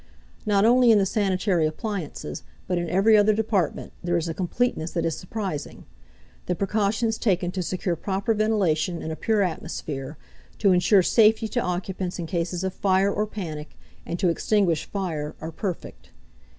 Not only in the sanitary appliances, but in every other department, there is a completeness that is surprising. the precautions taken to secure proper ventilation and a pure atmosphere, to insure safety to occupants in cases of fire or panic, and to extinguish fire are perfect.